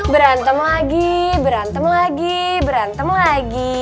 berantem lagi berantem lagi berantem lagi